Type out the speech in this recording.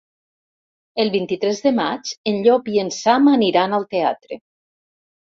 El vint-i-tres de maig en Llop i en Sam aniran al teatre.